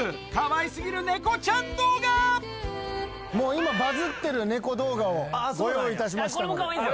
今バズってる猫動画ご用意いたしましたので。